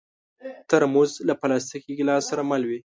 ترموز له پلاستيکي ګیلاس سره مل وي.